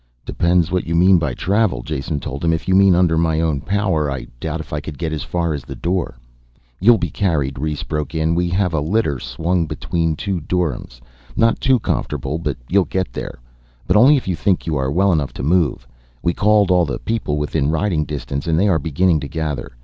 "Depends what you mean by travel," Jason told him. "If you mean under my own power, I doubt if I could get as far as that door." "You'll be carried," Rhes broke in. "We have a litter swung between two doryms. Not too comfortable, but you'll get there. But only if you think you are well enough to move. We called all the people within riding distance and they are beginning to gather.